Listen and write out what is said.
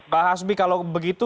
pak hasbi kalau begitu